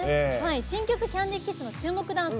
新曲「ＣａｎｄｙＫｉｓｓ」の注目ダンス